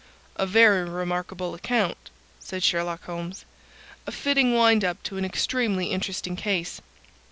"A very remarkable account," said Sherlock Holmes. "A fitting wind up to an extremely interesting case.